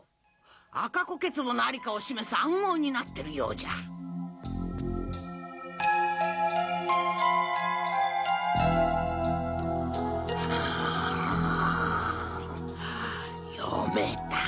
赤こけ壺の在りかを示す暗号になってるようじゃはあぁはあ読めた！